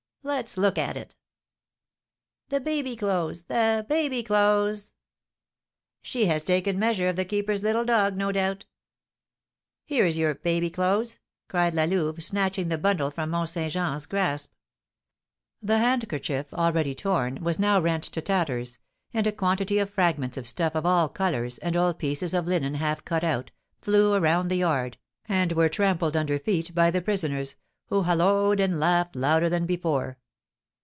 "Let's look at it." "The baby clothes! The baby clothes!" "She has taken measure of the keeper's little dog, no doubt." "Here's your baby clothes," cried La Louve, snatching the bundle from Mont Saint Jean's grasp. The handkerchief, already torn, was now rent to tatters, and a quantity of fragments of stuff of all colours, and old pieces of linen half cut out, flew around the yard, and were trampled under feet by the prisoners, who holloaed and laughed louder than before.